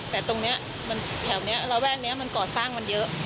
แต่ตรงนี้แถวนี้ระแวกนี้มันก่อสร้างมันเยอะ